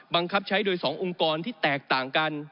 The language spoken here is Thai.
บังคับใช้โดย๒องค์กรที่แตกต่างกัน